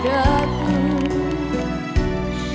หากว่าเธอนั้นคือคนรัก